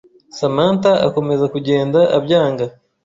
Samantha akomeza kugenda abyanga …